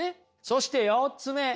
そして４つ目。